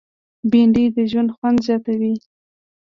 بېنډۍ د ژوند خوند زیاتوي